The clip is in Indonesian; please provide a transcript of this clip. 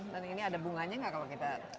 dan ini ada bunganya nggak kalau kita lihat